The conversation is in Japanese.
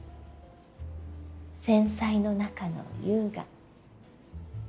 繊細の中の優雅。